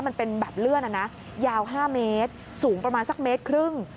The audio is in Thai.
มันเป็นแบบเลื่อนยาว๕เมตรสูงประมาณสักเมตรครึ่ง